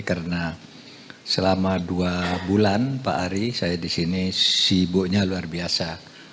karena selama dua bulan pak ari saya disini sibuknya luar biasa